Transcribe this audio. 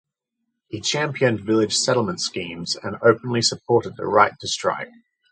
He championed village settlement schemes and openly supported the right to strike.